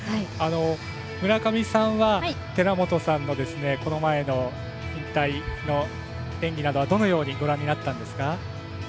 村上さんは寺本さんのこの前の引退の演技などはどのようにご覧になったんですか？